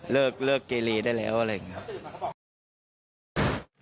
เลิกเกรลีได้แล้วอะไรอย่างเงี้ย